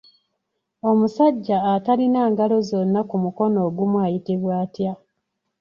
Omusajja atalina ngalo zonna ku mukono ogumu ayitibwa atya?